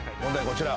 こちら。